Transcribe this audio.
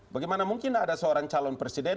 bagaimana mungkin ada seorang calon presiden